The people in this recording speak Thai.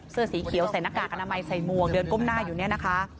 เสื้อสีเขียวใส่หน้ากากอนามัยใส่มวกเดินก้มหน้าอยู่เนี่ยนะคะ